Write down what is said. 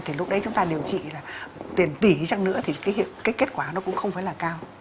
thì lúc đấy chúng ta điều trị là tiền tỷ chẳng nữa thì cái kết quả nó cũng không phải là cao